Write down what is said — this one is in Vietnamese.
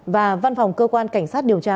và văn phòng cơ quan cảnh sát điều tra